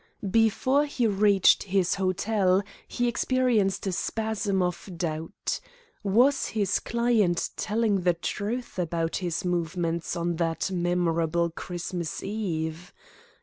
Before he reached his hotel he experienced a spasm of doubt. Was his client telling the truth about his movements on that memorable Christmas Eve?